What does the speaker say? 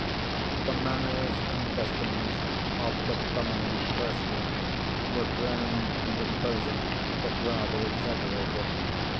The manners and customs of the prominent personage were grand and imposing, but rather exaggerated.